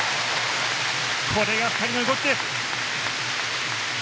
これが２人の動きです！